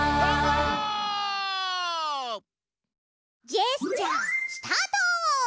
ジェスチャースタート！